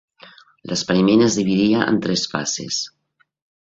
L'experiment es dividia en tres fases.